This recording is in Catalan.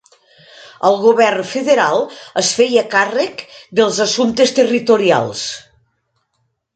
El govern federal es feia càrrec dels assumptes territorials.